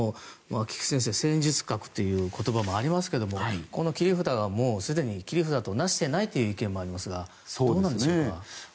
菊地先生、戦術核という言葉もありますが、この切り札がもうすでに切り札となしていないという意見もありますが。